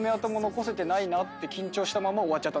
緊張したまま終わっちゃった。